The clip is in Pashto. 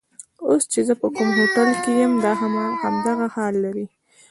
اوس چې زه په کوم هوټل کې یم دا هم همدغه حال لري.